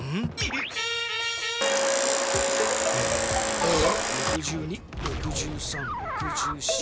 うん６２６３６４。